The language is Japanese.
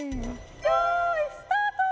よいスタート！